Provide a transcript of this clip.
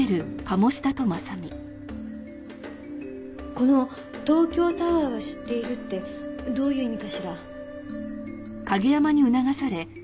この「東京タワーは知っている」ってどういう意味かしら？